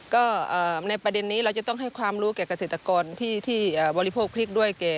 ก็ในประเด็นนี้เราจะต้องให้ความรู้แก่เกษตรกรที่บริโภคพริกด้วย